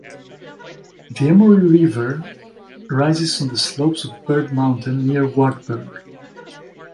The Emory River rises on the slopes of Bird Mountain near Wartburg.